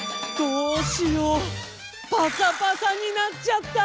どうしようパサパサになっちゃった！